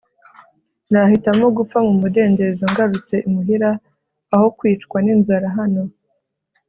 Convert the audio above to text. nahitamo gupfa mu mudendezo ngarutse imuhira aho kwicwa n'inzara hano